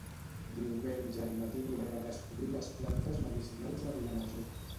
Diumenge al matí anirem a descobrir les plantes medicinals de Vilamajor